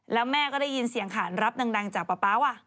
แล้วแม่ก็ได้ยินเสียงขานรับดังจากป๊า